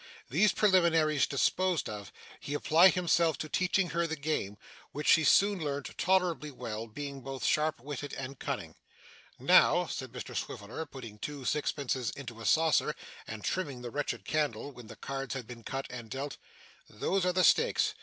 These preliminaries disposed of, he applied himself to teaching her the game, which she soon learnt tolerably well, being both sharp witted and cunning. 'Now,' said Mr Swiveller, putting two sixpences into a saucer, and trimming the wretched candle, when the cards had been cut and dealt, 'those are the stakes.